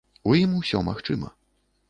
У ім усё магчыма.